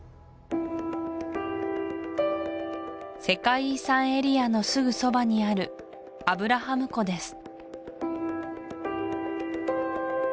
世界遺産エリアのすぐそばにあるアブラハム湖です